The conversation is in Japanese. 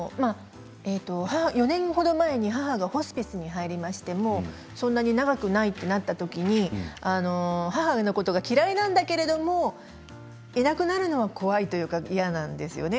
４年程前に母がホスピスに入りましてもうそんなに長くないとなった時母のことが嫌いなんだけれどいなくなるのは怖いというか嫌なんですよね